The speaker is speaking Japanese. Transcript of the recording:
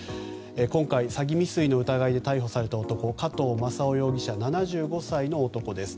今回、詐欺未遂の疑いで逮捕された加藤正夫容疑者７５歳の男です。